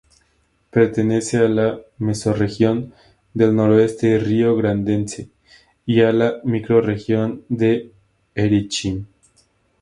Pertenece a la Mesorregión del Noroeste Rio-Grandense y a la Microrregión de Erechim.